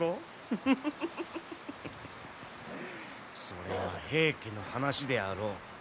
それは平家の話であろう。